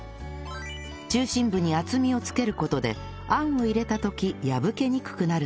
中心部に厚みをつける事であんを入れた時破けにくくなるのです